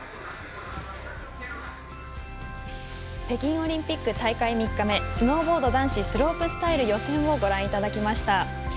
北京オリンピック大会３日目スノーボード男子スロープスタイル予選をご覧いただきました。